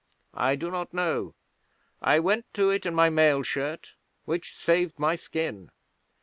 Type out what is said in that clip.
I do not know. I went to it in my mail shirt, which saved my skin.